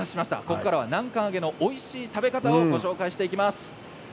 ここからは南関あげのおいしい食べ方をご紹介していきます。